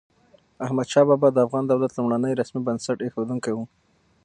احمد شاه بابا د افغان دولت لومړنی رسمي بنسټ اېښودونکی و.